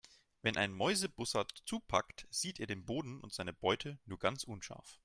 Wenn ein Mäusebussard zupackt, sieht er den Boden und seine Beute nur ganz unscharf.